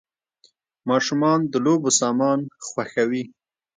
ماشومان د لوبو سامان خوښوي .